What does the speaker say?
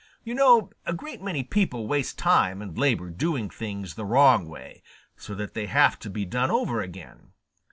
You know a great many people waste time and labor doing things the wrong way, so that they have to be done over again.